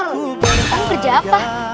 kamu kerja apa